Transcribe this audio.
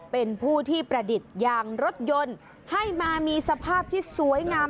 เป็นผู้ที่ประดิษฐ์ยางรถยนต์ให้มามีสภาพที่สวยงาม